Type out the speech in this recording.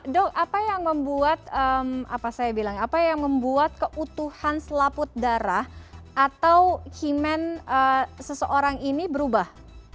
dok apa yang membuat keutuhan selaput darah atau himen seseorang ini berubah